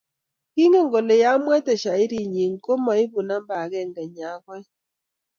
kingen kole yemwaita shairi nyii ko mo koibu numba akenge nya koeng